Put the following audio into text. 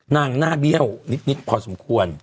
หน้าเบี้ยวนิดพอสมควร